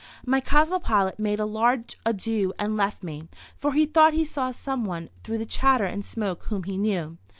My cosmopolite made a large adieu and left me, for he thought he saw some one through the chatter and smoke whom he knew.